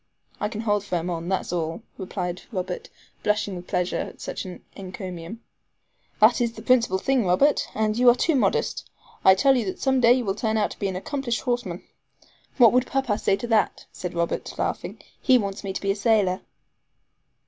"I can hold firm on, that's all," replied Robert blushing with pleasure at such an encomium. "That is the principal thing, Robert; but you are too modest. I tell you that some day you will turn out an accomplished horseman." "What would papa say to that?" said Robert, laughing. "He wants me to be a sailor."